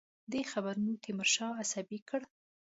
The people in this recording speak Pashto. دې خبرونو تیمورشاه عصبي کړ.